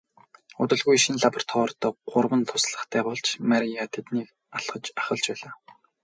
Удалгүй шинэ лабораторид гурван туслахтай болж Мария тэднийг ахалж байлаа.